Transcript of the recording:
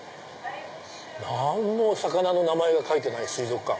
何も魚の名前が書いてない水族館。